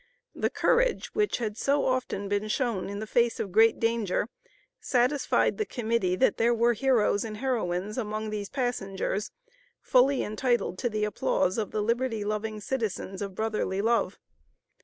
The courage, which had so often been shown in the face of great danger, satisfied the Committee that there were heroes and heroines among these passengers, fully entitled to the applause of the liberty loving citizens of Brotherly Love.